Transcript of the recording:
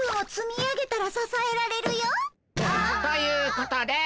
ということで。